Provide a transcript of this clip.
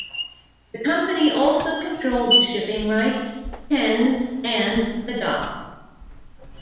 The company also controlled the shipping rights, pens and the dock.